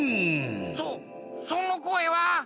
そそのこえは。